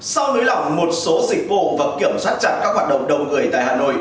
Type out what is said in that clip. sau nối lỏng một số dịch vụ và kiểm soát chặt các hoạt động đông người tại hà nội